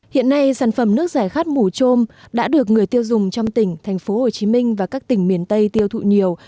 hiện nay sản phẩm nước giải khát mù trôm đã được người tiêu dùng trong tỉnh thành phố hồ chí minh và các tỉnh miền tây tiêu thụ nhiều